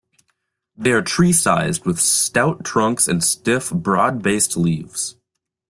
They are tree-sized with stout trunks and stiff, broad-based leaves.